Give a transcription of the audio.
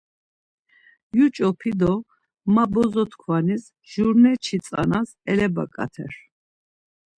Yuç̌opi do ma bo-zo-tkvanis jurneçi tzanas elebaǩater.